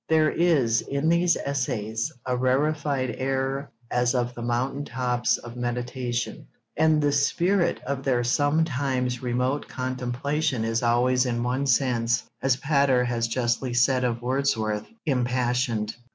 There is, in these essays, a rarefied air as of the mountain tops of meditation; and the spirit of their sometimes remote contemplation is always in one sense, as Pater has justly said of Wordsworth, impassioned.